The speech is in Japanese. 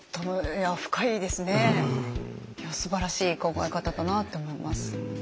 すばらしい考え方だなって思います。